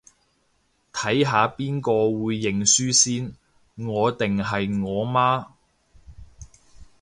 睇下邊個會認輸先，我定係我媽